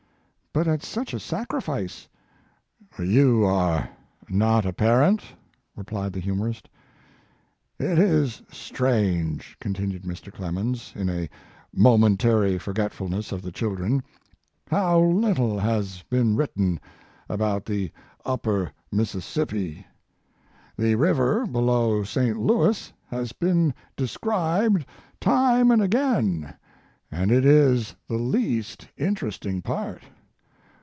" But at such a sacrifice. " You are not a parent? replied the humorist. " It is strange, continued Mr. Clem ens, ia momentary forgetfulness of the children, how little has been written about the upper Mississippi. The river below St. L,ouis has been described time i86 Mark Twain and again, and it is the least interesting part.